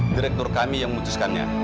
direktur kami yang memutuskannya